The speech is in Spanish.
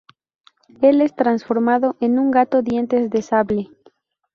Él es transformado en un gato dientes de sable.